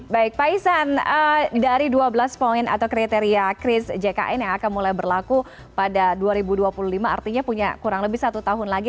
baik pak isan dari dua belas poin atau kriteria kris jkn yang akan mulai berlaku pada dua ribu dua puluh lima artinya punya kurang lebih satu tahun lagi